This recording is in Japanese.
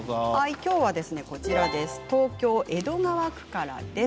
きょうは東京・江戸川区からです。